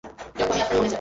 যখনই আপনার মনে চা্য়।